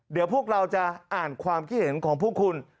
เดี๋ยวพวกเราจะอ่านความคิดเห็นของพวกคุณ